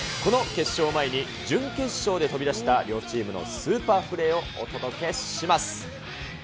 この決勝前に、準決勝で飛び出した両チームのスーパープレーをお届けします。